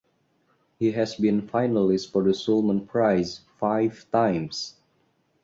He has been finalist for the Sulman Prize five times.